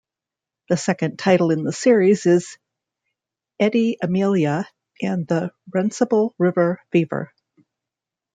The second title in the series is "Edie Amelia and The Runcible River Fever".